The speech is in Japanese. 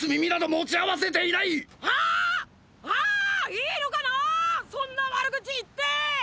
いいのかなー⁉そんな悪口言ってー！！